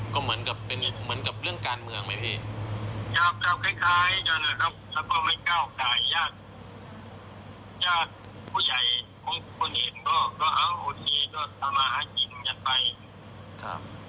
ก็ยอมรับครับก็ยอมรับยอมรับอารมณ์เจ้าคุณคุณ